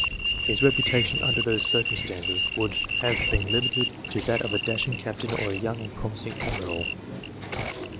His reputation under those circumstances would have been limited to that of a dashing captain or a young COMMANDERS 139 and promising admiral.